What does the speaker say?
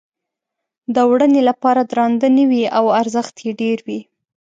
د وړنې لپاره درانده نه وي او ارزښت یې ډېر وي.